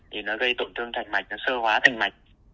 thì nó gây tổn thương thành mạch nó sơ hóa thành mạch